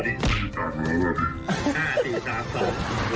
ไม่มีตังค์แล้วนะ